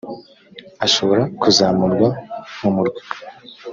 ashobora kuzamurwa mu murwa